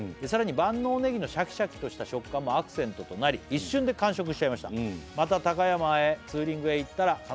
「さらに万能ネギのシャキシャキとした食感もアクセントとなり」「一瞬で完食しちゃいました」「また高山へツーリングへ行ったら」